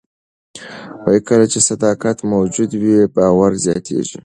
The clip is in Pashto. کله چې صداقت موجود وي، باور زیاتېږي.